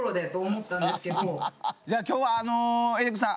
じゃあ今日はあのエリックさん